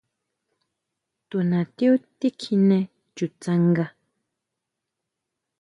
Tu natiú tikjine chu tsanga.